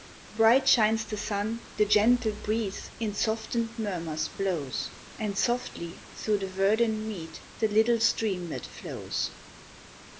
Bright shines the sun, the gentle breeze In soften'd murmurs blows, And softly through the verdant mead, The little streamlet flows.